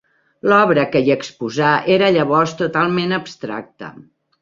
L'obra que hi exposà era llavors totalment abstracta.